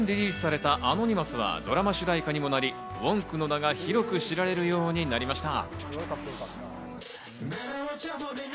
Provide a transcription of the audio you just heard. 去年リリースされた『Ａｎｏｎｙｍｏｕｓ』はドラマ主題歌にもなり、ＷＯＮＫの名が広く知られるようになりました。